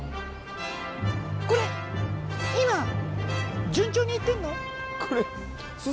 これ今順調にいってるの？」。